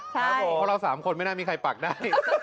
เพราะเรา๓คนไม่น่ามีใครปักได้